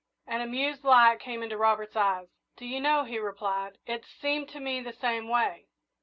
An amused light came into Robert's eyes. "Do you know," he replied, "it's seemed to me the same way.